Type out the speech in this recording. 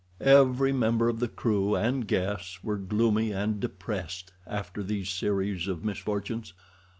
Every member of the crew and guests was gloomy and depressed after these series of misfortunes.